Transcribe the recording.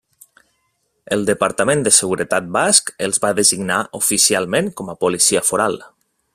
El Departament de Seguretat Basc els va designar oficialment com a policia foral.